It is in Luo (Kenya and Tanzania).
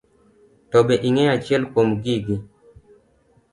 To be ing'eyo achiel kuom gigi.